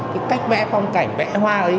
cái cách vẽ phong cảnh vẽ hoa đấy